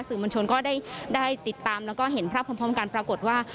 สื่อมวลชนก็ได้ติดตามแล้วก็เห็นภาพพร้อมกันปรากฏว่า